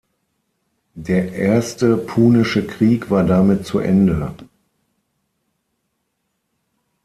Der Erste Punische Krieg war damit zu Ende.